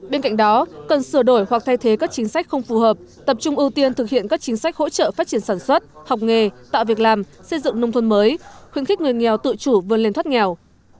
bên cạnh đó cần sửa đổi hoặc thay thế các chính sách không phù hợp tập trung ưu tiên thực hiện các chính sách hỗ trợ phát triển sản xuất học nghề tạo việc làm xây dựng nông thôn mới khuyến khích người nghèo tự chủ vươn lên thoát nghèo